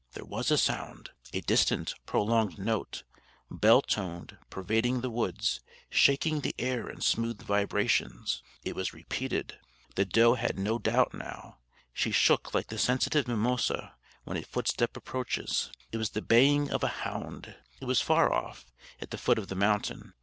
There was a sound a distant, prolonged note, bell toned, pervading the woods, shaking the air in smooth vibrations. It was repeated. The doe had no doubt now. She shook like the sensitive mimosa when a footstep approaches. It was the baying of a hound! It was far off at the foot of the mountain.